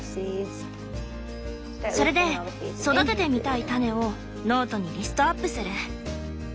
それで育ててみたい種をノートにリストアップする。